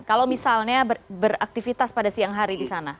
kalau misalnya beraktivitas pada siang hari di sana